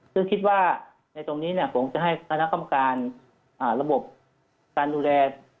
ซึ่งคิดว่าในตรงนี้ผมจะให้คณะกรรมการระบบการดูแล